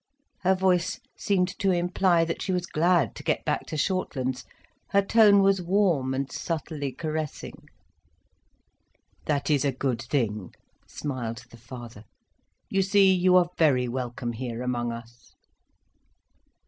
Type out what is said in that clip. Her voice seemed to imply that she was glad to get back to Shortlands, her tone was warm and subtly caressing. "That is a good thing," smiled the father. "You see you are very welcome here among us."